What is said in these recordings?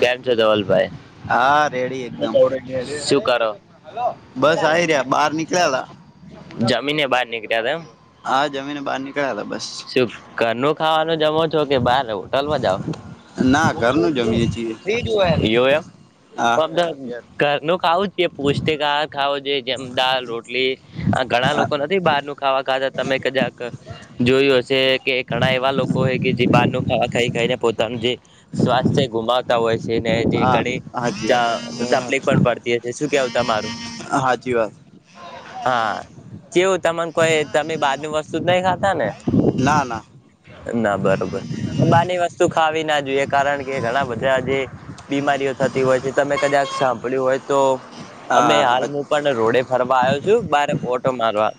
કેમ છો ધવલભાઈ? આ રેડી એકદમ. [inaudible] શું કરો? [inaudible] બસ આવી રહ્યા બહાર નીકળ્યાલા જમીને બાર નીકળ્યા તા એમ? હા જમીને બહાર નીકળ્યા તા બસ. તું ઘરનું ખાવાનું જમો છો કે બાર હોટલમાં જાઓ? [inaudible] ના ઘરનું જમીએ છીએ એવું એમ? હા [inaudible] ઘરનું ખાવું જ કે પૌષ્ટિક આહાર ખાવો જોઈએ? જેમ દાલ, રોટલી અ ઘણા લોકો નથી બહારનું ખાવા ખાતા તમે કદાક અ જોયું હશે કે ઘણા એવા લોકો હે કે જે બહારનું ખાવા ખાઈ ખાઈને પોતાનું જે સ્વાસ્થ્ય ગુમા વતા હોય છે ને જે હા ઘણી ચ હાચી વાત તપલીફ પણ પડતી હોય છે શું કેવું તમારું? હાચી વાત. હા ચેવું તમને કોઈ તમે બહારની વસ્તુ ત નઈ ખાતાને? ના ના ના બરોબર બારની વસ્તુ ખાવી ના જોઈએ કારણ કે ઘણા બધા આજે બીમારીઓ થતી હોય છે તમે કદાક સાંભળ્યું હોય તો અમે હા હાલમાં પણ રોડે ફરવા આયો છું બારે ઓટો મારવા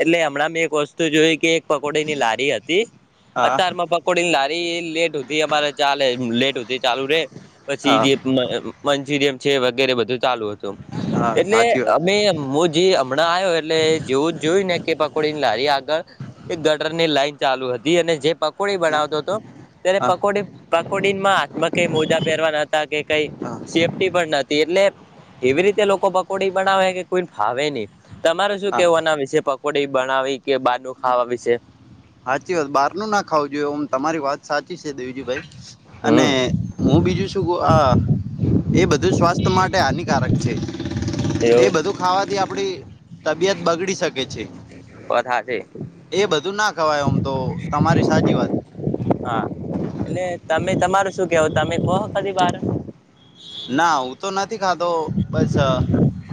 એટલે હમણાં મે એક વસ્તુ જોઈ કે પકોડની લારી હતી હા અતારમાં પક પકોડીની લારી લેટ હુધી અમારે ચાલે એમ લેટ હુધી ચાલુ રે પછી હા જે મે મંજુરિયમ છે વગેરે બધું ચાલુ હતું હા એટલે સાચી વાત અમે મુજ જે હમણાં આયો એટલે જેવું જ જોયું ને કે પકોડીની લારી આગળ એક ગટરની લાઈન ચાલુ હતી અને જે પકોડી બનાવતો હતો તેને હા પકોડી પકોડીનમાં હાથમાં કઈ મોજા પહેરવા નતા કે કઈ હા સેફ્ટી પણ નતી એટલે એવી રીતે લોકો પકોડી બનાવે કે કોઈન ફાવે નહી. તમારું શું હા કેવું આના વિશે પકોડી બનાવી કે બહારનું ખાવા વિશે? સાચી વાત બારું ના ખાવું જોયું ઓમ તમારી વાત. સાચી છે દેવજીુભાઈ અને હમ હું બીજું છું ક આ એ બધું સ્વાસ્થ માટે હાનિકારક છે. એ એવું બધું ખાવાથી આપડી તબિયત બગડી શકે છે. વાત હાચી. એ બધું ના ખવાય ઓમ તો તમારી સાચી વાત. હા એટલે તમે તમારું શું કેવું તમે કો ફરીવાર. ના હું તો નથી ખાતો બસ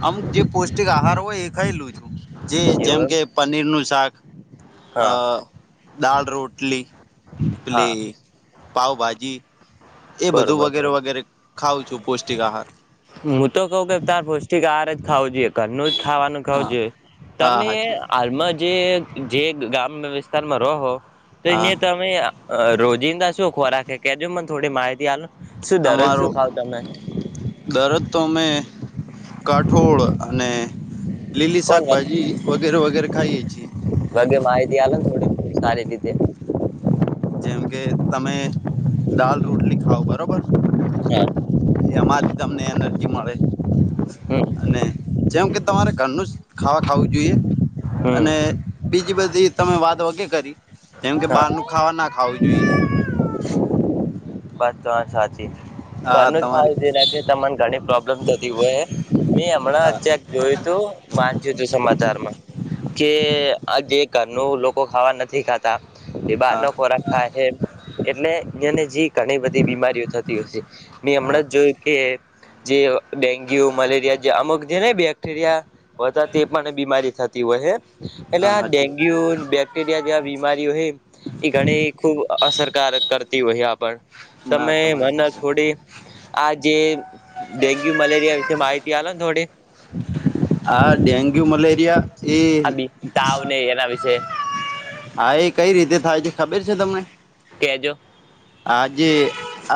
અમુક જે પૌષ્ટિક આહાર હોય એ ખાયલું છું. જે જેમ એવું એમ કે પનીરનું શાક અ હા દાળ રોટલી પલે હા પાવભાજી બરોબર ખાઉં છું પૌષ્ટિક આહાર હું તો કઉ કે તાર પૌષ્ટિક આહાર જ ખાવો જોઈએ ઘરનું જ ખાવાનું ખાઓ હા જોવે હા તમે હાચી વાત. હાલમાં જે જે ગામ વિસ્તારમાં રહો. તો હા અયા તમે રોજંદા છો ખોરાક કેજો મને થોડી માહિતી આલો. શું દરરોજ શું ખાવ તમે દરદ તો મે કટ. ઠોળ અને લીલી શાકભાજી વગેરે વગેરે ખાઈએ છીએ. ભગે માહિતી આલો ને થોડી સારી રીતે જેમ કે તમે દાલ રોટલી ખાવ બરોબર. છે એમાંથી તમને એનર્જી મળે હ અને જેમ કે તમારે ઘરનું જ ખાવા ખાવું જોઈએ. હમ અને બીજી બધી તમે વાત વકે કરી જેમ કે હા બહાર ન ખાવા ના ખાવું જોઈએ. બસ વાત સાચી. હા ઘરનું જ તમારી ખાવું જે ના કે તમાને ઘણી પ્રોબ્લેમ થતી હોય મે હમણાં હા ચેક જોયુ તુ વાંચજો સમાચારમાં. કે આ જે ઘરનું લોકો ખાવા નથી ખાતા બાર હા ન ખોરાકાય એટલે [inaudible] ઘણી બધી બીમારીઓ થતી હોશે, મેં હા હમણાં જોયું કે જે ડેન્ગ્યુ, મલેરિયા જે અમુક જે ને બે મલેરિયા તે પણ બીમારી થતી હોય છે એટલે હા આ હાચી વાત ડેન્ગ્યુ રિયા જેવા બીમારીઓ એ ઘણી ખૂબ અસરકારક કરતી હોય આપણ ના તમે તમારી મને થોડી આ જે ડેન્ગ્યુ મલેરિયા વિશે માહિતી હાલો થોડીક. આ ડેન્ગ્યુ મલેરિયા એ આ બે તાવને એના વિશે હા એ કઈ રીતે થાય છે ખબર છે તમને? કેજો આજે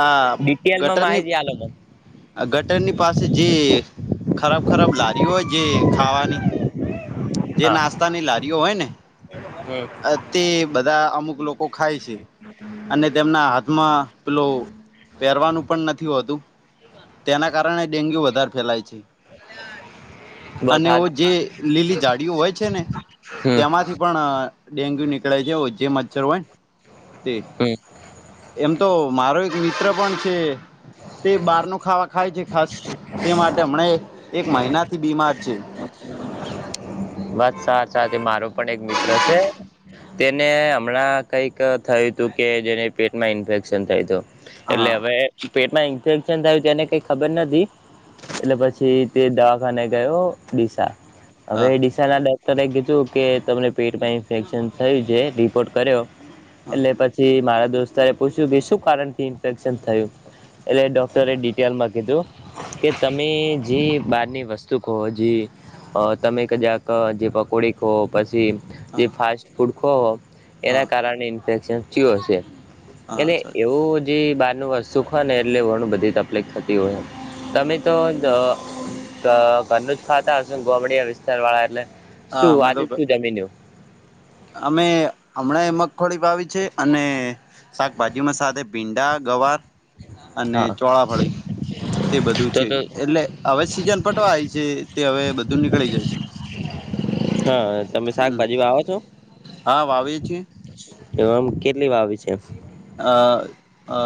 આ ડિટેલમાં ગટરની માહિતી આલો મને આ ગટરની પાસે જે ખરાબ ખરાબ લારીઓ હોય જે ખાવાની જે નાસ્તાની લારીઓ હોય ને હું અતે બધા અમુક લોકો ખાય છે. અને તેમના હાથમાં પેલું પહેરવાનું પણ નથી હોતું. તેના કારણે ડેન્ગ્યુ વધાર ફેલાય છે. બસ અને હા ઓ જે લીલી જાડીઓ હોય છે ને, હમ તેમાંથી પણ ડેન્ગ્યુ નીકળે છે, જે મચ્છર હોય હમ એમ તો મારો એક મિત્ર પણ છે. તે બહારનો ખાવા ખાય છે, ખાસ, તે માટે હમણે એક મહિનાથી બીમાર છે. બસ સાચાચ મારો પણ એક મિત્ર છે તેને હમણાં કંઈક થયું હતું કે જેને પેટમાં ઇન્ફેક્શન [inaudible] એટલે હા હવે પેટમાં ઇન્ફેક્શન થયું છે, એને કઈ ખબર નથી. એટલે પછી તે દવાખાને ગયો ડીસા હવે હા ડીસાના ડોક્ટરે કીધું કે તમને પેટમાં ઇન્ફેક્શન થયું છે રિપોર્ટ કર્યો હા એટલે પછી મારા દોસ્તારે પૂછ્યું શું કારણ થી ઇન્ફેક્શન થયું? એટલે ડોક્ટરે ડીટેલમાં કીધું કે તમે જે બારની વસ્તુ કહો જે અ તમે કજાક જે પકોડી ખો પછી જે હા ફાસ્ટફૂડ ખોવ હા એના કારણે ઇન્ફેક્શન થયું હશે. હા એટલે સાચું એવું જે બહારનો વસ્તુ ખાવને એટલે ઘણું બધી તકલીફ થતી હોય તમે તો ઘરનું જ ખાતા હશો ગોમડિયા વિસ્તાર વાળા એટલે શું હા અમે આજે તો શું જમીન્યુ? અમે હમણાં મગફોળી વાવી છે, અને શાકભાજીમાં સાથે ભિંડા ગવાર અને હા ચોળાફળી તે બધું તો છે, તો એટલે હવે સીઝન પટવાય છે. તે હવે બધું નીકળી જાય છે. હા તમે હમ શાકભાજી આવો છો? હા વાવેએ છીએ. એ આમ કેટલી વાવી છે? અ અ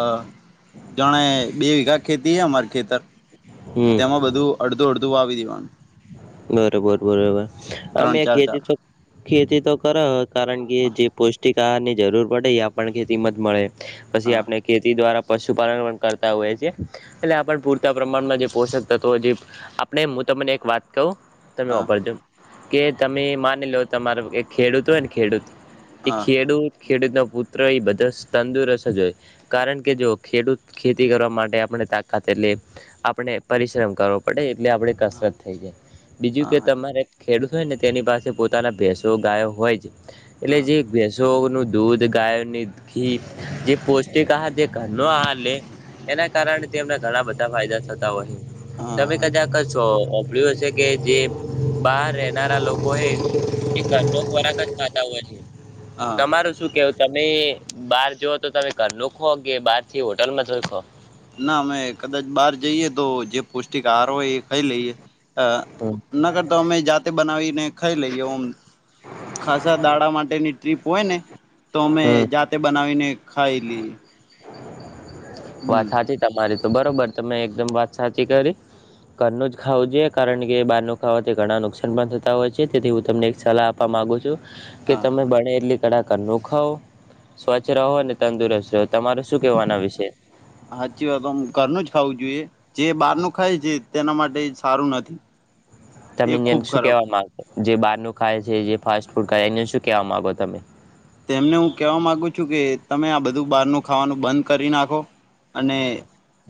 જાણે બે બિગા ખેતી હ અમાર ખેતર હમ તેમાં બધું અડધું અડધું વાવી દેવાન બરોબર બરોબર અમે ચાર ચાર ખેતી તો ખેતી તો કર કારણ કે જે પૌષ્ટિક આહારની જરૂર પડે એ આપણને ખેતીમાં જ મળે પછી હા આપણે ખેતી દ્વારા પશુપાલન પણ કરતા હોય છે, એટલે આપણ પૂરતા પ્રમાણમાં જે પોષક તત્વો જે આપણે હું તમને એક વાત કહું તમે હા વાપરજો કે તમે માની લો તમારો ખેડૂત હોય ને ખેડૂત એ હા હા ખેડૂત ખેડૂત ન પુત્ર એ બધા તંદુરસ્ત જય કારણ કે જો ખેડૂત ખેતી કરવા માટે આપણે તાકાત લે આપણે પરિશ્રમ કરવો પડે એટલે આપડે કસરત થઈ જાય બીજું કે હા તમારે ખેડૂત હોય ને તેની પાસે પોતાના ભેસો ગાયો હોય જ એટલે હા જે ભેસો નું દૂધ ગાયની ઘી જે પૌષ્ટિક આહાર જે ઘરનો આહાર લે એના કારણે તેમને ઘણા બધા ફાયદા થતા હોય તમે હા હા કદાકો ઓભળ્યું હ છે. કે જે બહાર રહેનારા લોકો છે, એ ઘરનો ખોરાક જ ખાતા હોય છે. હા તમારું શું કેવું તમે બહાર જઓ તો તમે ઘરનું ખો કે બારથી હોટલ માં જખો ના અમે કદાચ બહાર જઈએ તો જે પૌષ્ટિક આહાર હોય એ ખાઈ લઈએ હમ નગર તો અમે જાતે બનાવીને ખાઈ લઈએમ ખાસા દાડા માટેની ટ્રીપ હોય ને તો અમે હમ જાતે બનાવીને ખાઈ લઈએ હમ વાત સાચી તમારી તો બરોબર તમે એકદમ વાત સાચી કરી ઘરનું જ ખાવું જોઈએ કારણ કે બાર ન ખાવાથી ઘણા નુકસાન પણ થતા હોય છે, તેથી હું તમને એક સલાહ આપ આપ ગુ છો કે હા તમે બ ટલી કડાકા ન ખાવ સ્વચ્છ રહો અને તંદુરસ્ત રહો તમારું શું કહેવાના વિશેય સાચી વાતમ ઘરનું જ ખાવું જોઈએ જે બહાર નું ખાય છે. તેના માટે સારું નથી તમે એ અયા ખૂબ શું ખરાબ કેહેવા માંગો જે બારનું ખાય છે, જે ફાસ્ટ ફૂડ ખાય અયા શું કેહેવા માંગો તમે તેમને હું કહેવા માંગુ છું કે તમે આ બધું બહારનું ખાવાનું બંધ કરી નાખો અને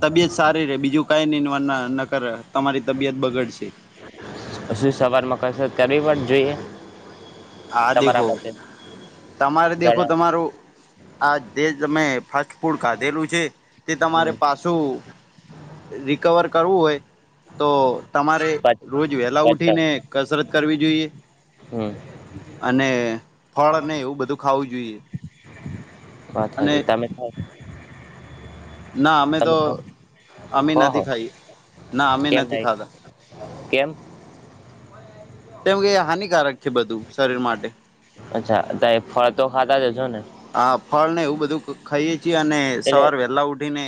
તબિયત સારી રે બીજું કઈ ન ન કર તમારી તબિયત બગડશે છી સવારમાં કસત કરવી પણ જોઈએ આ તમારા દેખો માટેતે તમારે દેખો તમારું આ જે તમે ફાસ્ટ ફૂડ ખાધેલું છે તે તમારે પાછું રિકવર કરવું હોય તો તમારે પછી રોજ વેલા અચ્છા ઉઠીને કસરત કરવી જોઈએ હમ અને ફળ એવું બધું ખાવું જોઈએ વાત અને વાી તમે ના અમે તમે તો અમે હોહો નથી ખાઈએ ના અમે કેમ નથી નઈ ખાતા કેમ કેમ કે હાનિકારક છે બધું શરીર માટે અચ્છા ત ફળ તો ખાતા જ હશો ને હા ફળ ને એવું બધું ખઈ એ છીએ અને એટલે સવાર વહેલા ઉઠીને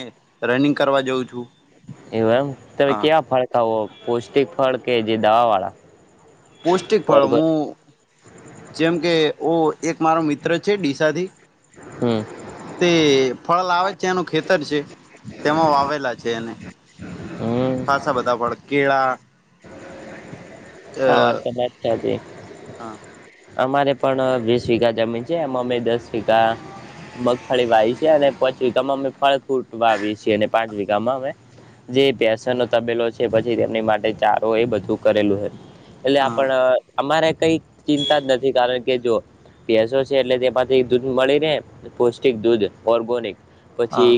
રનિંગ કરવા જાઉં છું એવુ એમ તમે હા ક્યાં ફળ ખાવાવો પૌષ્ટિક ફળ કે જે દવા વાળા પૌષ્ટિક ફળ હું જેમ કે ઓ એક મારો મિત્ર છે ડીસાથી હમ તે ફળ લાવે છે એનું ખેતર છે તેમાં વાવેલા છે એને હમ્મ. ખાસા બધા પણ કેળા અ હા વાત તો હા [unintelligible] અમારે પણ વીસ વીઘા જમીન છે એમાં અમે દસ વીઘા મગફળી વાવી છીએ અને પાંચ વીઘામાં અમે ફળ ફ્રૂટ વાવીએ છીએ અને પાંચ વીઘામાં અમે જે ભેંસોનો તબેલો છે પછી તેમની માટે ચારો એ બધું કરેલું છે. એટલે હા આપણ અમારે કઈ ચિંતા જ નથી કારણ કે જો ભેંસો છે એટલે તેમાંથી દૂધ મળી રહેને પૌષ્ટિક દૂધ ઓર્ગેનિક પછી હા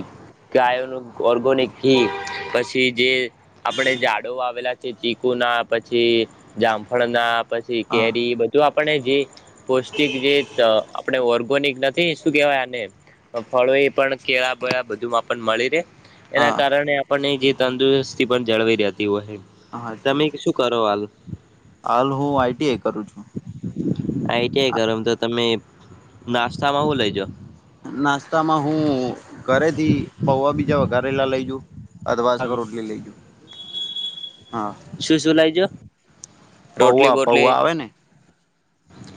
ગાયો નું ઓર્ગોનીક ઘી પછી જે આપણે ઝાડો આવેલા છે ચીકુ ના પછી જામફળ ના પછી હા કેરી બધું આપણે જે પૌષ્ટિક જે આપણે ઓર્ગેનિક નથી તે શું કહેવાય આને ફળો એ પણ કેળા બ બધુંમાં પણ મળી રે. એના હા કારણે આપણને જે તંદુરસ્તી પણ જળવાઈ રહેતી હોય તમે શું કરો હાલ હાલ હું આઈટી આઈ કરું છું. આઈટી આઈ કરો તો તમે નાસ્તામાં હું લઈજો નાસ્તામાં હું ઘરેથી પૌવા બીજા વઘારેલા લઈજઉ અથ વા રોટલી લઈ જાઉં હા શું શું લાઈજો રોટલી પૌવા બોટલી પૌવા આવે ને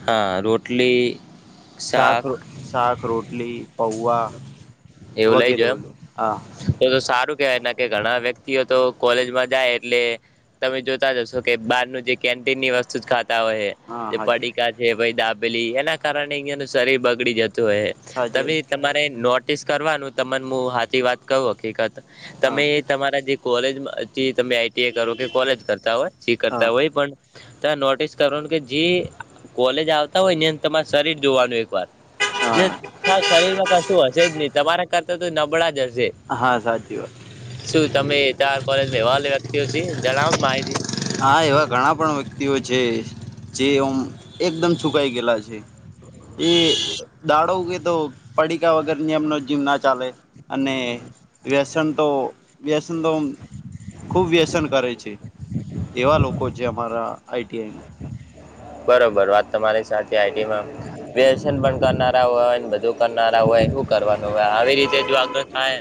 હા રોટલી શાક શાક રોટલી પૌવા એવું લઈ વગેરે જો વગેરે હા એમ તો સારું કેવાય નકે ઘણા વ્યક્તિઓ તો કોલેજમાં જાય એટલે તમે જોતા હશો કે બહાર નું જે કેન્ટીન ની વસ્તુ જ ખાતા હોય છે હા જે હાજી પડીકા કે ભાઈ દાબેલી એના કારણે અહિયાયાનું શરીર બગડી જતું હોય સાજે તમે તમારે નોટિસ કરવાનું તમાને હું હાચી વાત કવ હકીકત હા તમે તમારા જે કોલેજ તમે આઈટી કરો કે કોલેજ કરતા હોય જે હા કરતા હોય પણ તમે નોટિસ કરવાનું કે જે કોલેજ આવતા હોય ની અંદર તમારે શરીર જોવાનું એક વાર હા શરીર માં કશું હશે જ નહી તમારા કરતા તો નબળા જ હશે હા સાચી વાત શું તમે તમાર કોલેજમાં એવા વ્યક્તિઓ છે જણાવો માહિતી હા એવા ઘણા પણ વ્યક્તિઓ છે જે ઓમ એકદમ સુકાઈ ગયેલા છે એ દાડો કે તો પડીકા વગર ની, એમનો જીમ ના ચાલે. અને વ્યસન તો, વ્યસન તો ખુબ વ્યસન કરે છે. એવા લોકો છે, અમારા આઈટીઆઈના. બરાબર વાત તમારી સાથે આઈટીમાં વ્યસન પણ કરનારા હોયને બધું કરનારા હોય શું કરવાનું હવે આવી રીતે જો આગળ થાય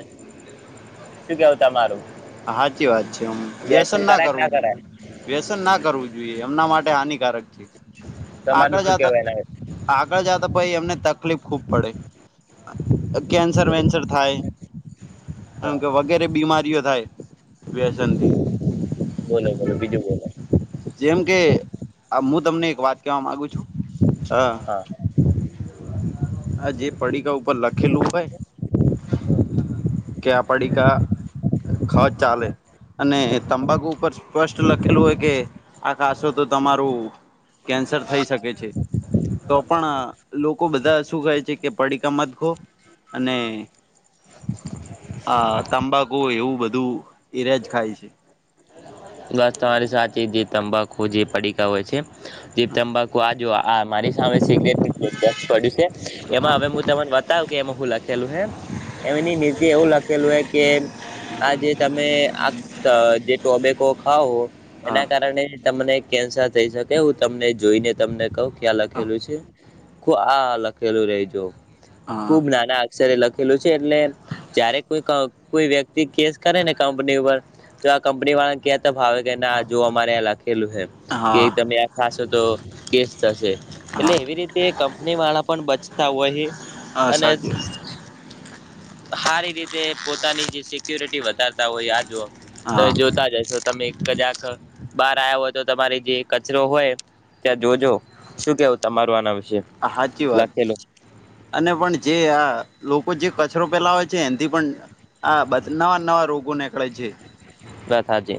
શું કેવ તમારું હાચી વાત છે હમ વ્યસન ના કરાય કે કરવું જોઈએ. કરાય વ્યસન ના કરવું જોઈએ એમના માટે હાનિકારક છે આગળ તમારું શું જાતા કેવું એના આગળ જતા પહિ એમને તકલીફ ખુબ પડે. કેન્સર વિશે? વેન્સર થાય હા કે વગેરે બીમારીઓ થાય વ્યસન કરે. બોલો, બોલો, બીજું બોલો‌. જેમ કે, હું તમને એક વાત કેવા માંગુ છું હ. હા. [unintelligible] આ જે પડીકા ઉપર લખેલું હોઈ. કે પડીકા હ ચાલે. અને તંબાકુ ઉપર સ્પષ્ટ લખેલું હોય કે, આ ખાશો તો તમારું કેન્સર થઈ શકે છે, તો પણ લોકો બધા શું કહે છે કે, પડીકા મતખો અને હા, તંબાકુ એવું બધું એ રાજ ખાય છે. વાત તમારી સાચી છે, જે તંબાકુ જે પડીકા હોય છે એ તંબાકુ આજ આ મારી સામે છે કે, સિગરેટડ્યું છે, હા એમાં હવે તે કે, એમ શું લખેલું હે? એમની નીચે એવું લખેલું હે કે આ જે તમે આ જે ટોબેકો ખાવો, હા એના કારણે તમને કેન્સર થઈ શકે. હું તમને જોઈને તમને ક ક્યાં લખેલું છે? આ લખેલું રહી જ, હા ખુબ નાના સર લખેલું છે એટલે જયારે કોઈ-કોઈ વ્યક્તિ કેસ કરે ને કંપની ઉપર, તો આ કંપની વાળા ફાવે કે ના, જુઓ, અમારે લખેલું હા છે કે, તમે ખાશો તો કેસ થશે. એટલે હા એવી રીતે કંપની વાળા પણ બચતા હોય હા અને સાચું સારી રીતે પોતાની જે સિક્યોરિટી વધારતા હોય, આ જો તમે હા જોતા જશો, તમે કદાચ બહાર આવ્યા હોય, તો તમારી જે કચરો હોય ત્યાં જોજો, શું કેવું તમારું આના વિશે? હાચી વાત. લખેલું અને પણ, જે આ લોકો જે કચરો ફેલાવે છે, એથી પણ હા, બધા નવા નવા રોગો નીકળે છે. બધા છે.